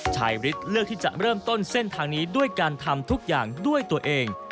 ฤทธิ์เลือกที่จะเริ่มต้นเส้นทางนี้ด้วยการทำทุกอย่างด้วยตัวเอง